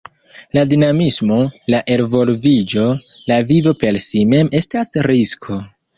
La dinamismo, la elvolviĝo, la vivo per si mem estas risko.